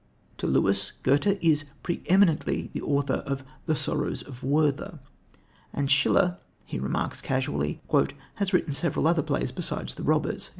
To Lewis, Goethe is pre eminently the author of The Sorrows of Werther; and Schiller, he remarks casually, "has, written several other plays besides _The Robbers."